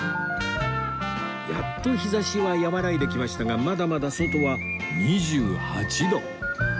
やっと日差しは和らいできましたがまだまだ外は２８度